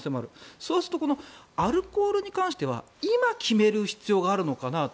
そうするとアルコールに関しては今決める必要があるのかなと。